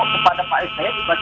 kepada pak harisaya juga